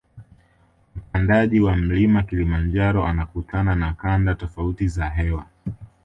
Mpandaji wa mlima kilimanjaro anakutana na kanda tofauti za hewa